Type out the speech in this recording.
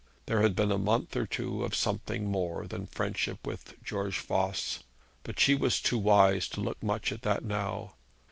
There had been a month or two of something more than friendship with George Voss; but she was too wise to look much at that now.